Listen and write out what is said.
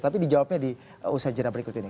tapi dijawabnya di usaha jenama berikut ini